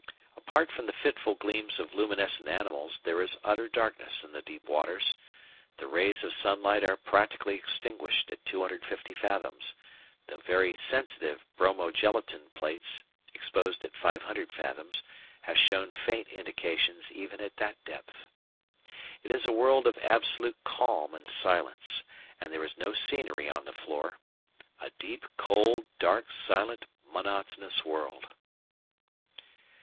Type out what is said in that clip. Apart from the fitful gleams of luminescent animals, there is utter darkness in the deep waters. The rays of sunlight are practically extinguished at 250 fathoms, though very sensitive bromogelatine plates exposed at 500 fathoms have shown faint indications even at that depth. It is a world of absolute calm and silence, and there is no scenery on the floor. A deep, cold, dark, silent, monotonous world!